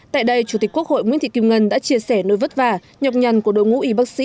tại đây chủ tịch quốc hội nguyễn thị kim ngân đã chia sẻ nỗi vất vả nhọc nhằn của đội ngũ y bác sĩ